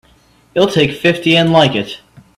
You'll take fifty and like it!